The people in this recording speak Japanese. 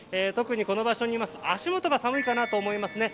特にこの場所にいると足元が寒いかなと感じます。